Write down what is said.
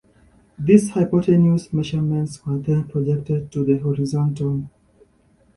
These hypotenuse measurements were then projected to the horizontal.